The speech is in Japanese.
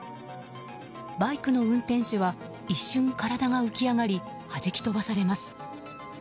バイクの運転手は一瞬体が浮き上がりはじき飛ばされます。